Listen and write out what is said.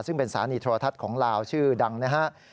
ซึ่งเป็นสานิทรวทัศน์ของลาวชื่อดังนะครับ